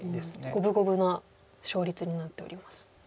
五分五分な勝率になっております。